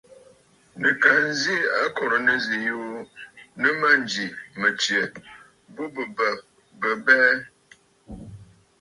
Nɨ̀ ka nzi akòrə̀ nɨzî yuu nɨ mânjì mɨ̀tsyɛ̀ bu bɨ bə̀ bɨ abɛɛ.